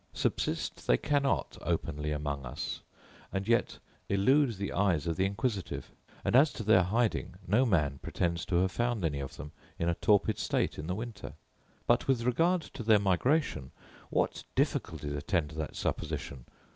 Subsist they cannot openly among us, and yet elude the eyes of the inquisitive: and, as to their hiding, no man pretends to have found any of them in a torpid state in the winter. But with regard to their migration, what difficulties attend that supposition!